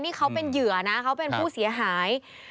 นี่เขาเป็นเหยื่อนะเขาเป็นผู้เสียหาย